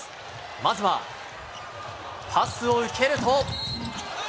まずはパスを受けると。